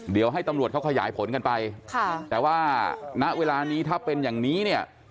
เดี๋ยวให้ตำรวจเขาขยายผลกันไปค่ะแต่ว่าณเวลานี้ถ้าเป็นอย่างนี้เนี่ย